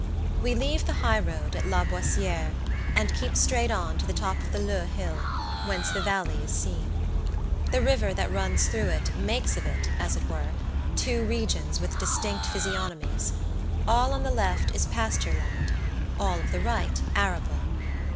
We leave the highroad at La Boissiere and keep straight on to the top of the Leux hill, whence the valley is seen. The river that runs through it makes of it, as it were, two regions with distinct physiognomies all on the left is pasture land, all of the right arable.